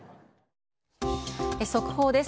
速報です。